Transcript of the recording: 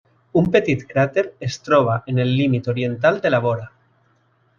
Un petit cràter es troba en el límit oriental de la vora.